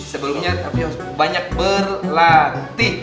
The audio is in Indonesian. sebelumnya tapi harus banyak berlatih